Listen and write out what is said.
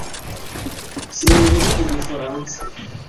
simvuga igifaransa